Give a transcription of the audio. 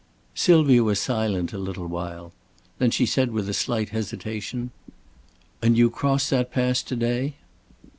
Sylvia was silent a little while. Then she said with a slight hesitation: "And you cross that pass to day?"